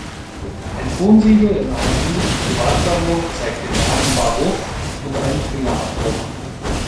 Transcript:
Ein Tonsiegel in einer englischen Privatsammlung zeigt den Namen Baruch und einen Fingerabdruck.